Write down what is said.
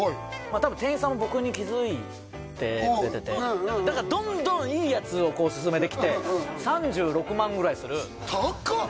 多分店員さんも僕に気づいてくれててだからどんどんいいやつをすすめてきて３６万ぐらいする高っ！